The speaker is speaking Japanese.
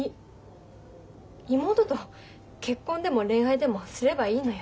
妹と結婚でも恋愛でもすればいいのよ。